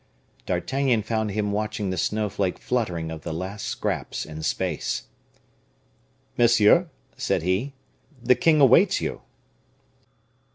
D'Artagnan found him watching the snowflake fluttering of the last scraps in space. "Monsieur," said he, "the king awaits you."